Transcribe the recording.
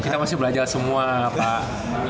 kita masih belajar semua pak